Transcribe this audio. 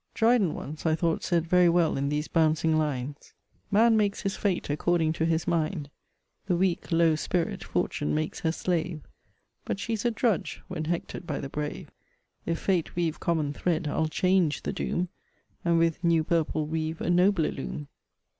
Dryden once I thought said very well in these bouncing lines: Man makes his fate according to his mind. The weak, low spirit, Fortune makes her slave: But she's a drudge, when hector'd by the brave. If Fate weave common thread, I'll change the doom, And with new purple weave a nobler loom.